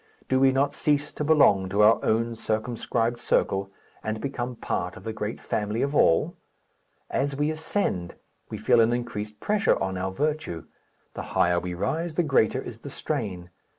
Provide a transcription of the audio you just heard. Do we not cease to belong to our own circumscribed circle, and become part of the great family of all? As we ascend we feel an increased pressure on our virtue. The higher we rise, the greater is the strain.